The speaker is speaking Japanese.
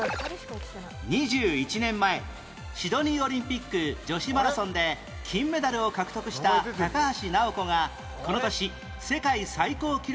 ２１年前シドニーオリンピック女子マラソンで金メダルを獲得した高橋尚子がこの年世界最高記録を樹立